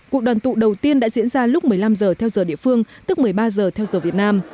cuộc đoàn tụ đầu tiên đã diễn ra lúc một mươi năm giờ theo giờ địa phương tức một mươi ba giờ theo giờ việt nam